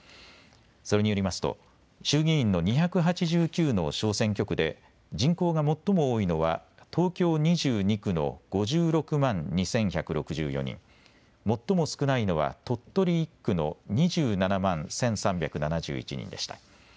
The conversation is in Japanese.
それによりますと衆議院の２８９の小選挙区で人口が最も多いのは東京２２区の５６万２１６４人、最も少ないのは鳥取１区の２７万１３７１人でした。